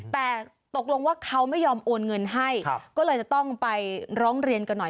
แต่ตกลงว่าเขาไม่ยอมโอนเงินให้ก็เลยจะต้องไปร้องเรียนกันหน่อย